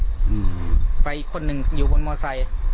อืมไปอีกคนหนึ่งอยู่บนมอไซค์